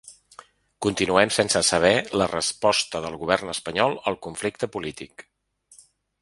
Continuem sense saber la resposta del govern espanyol al conflicte polític.